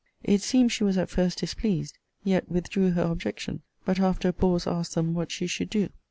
It seems she was at first displeased; yet withdrew her objection: but, after a pause, asked them, What she should do?